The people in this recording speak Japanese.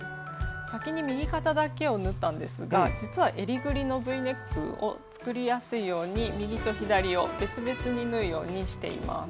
先に右肩だけを縫ったんですが実はえりぐりのＶネックを作りやすいように右と左を別々に縫うようにしています。